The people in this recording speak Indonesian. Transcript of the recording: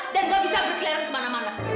dan tidak bisa berkeliling kemana mana